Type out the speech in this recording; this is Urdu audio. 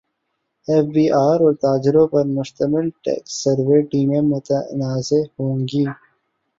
ایف بی ار اور تاجروں پر مشتمل ٹیکس سروے ٹیمیں متنازع ہو گئیں